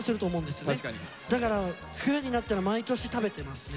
だから冬になったら毎年食べてますね